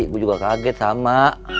gue juga kaget sama